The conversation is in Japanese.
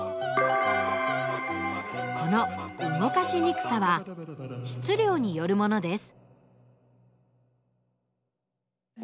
この動かしにくさは「質量」によるものです。